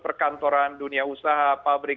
perkantoran dunia usaha pabrik